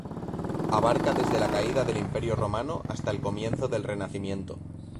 Abarca desde la caída del Imperio Romano hasta el comienzo del Renacimiento.